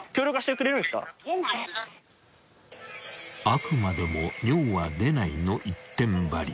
［あくまでも「尿は出ない」の一点張り］